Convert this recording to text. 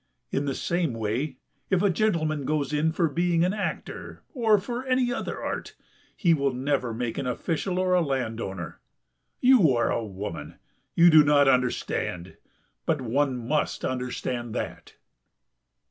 In the same way, if a gentleman goes in for being an actor or for any other art, he will never make an official or a landowner. You are a woman, and you do not understand, but one must understand that."